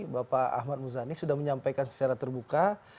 bapak ahmad muzani sudah menyampaikan secara terbuka